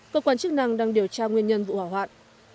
cơ quan chức năng đang điều tra nguyên nhân vụ hỏa hoạn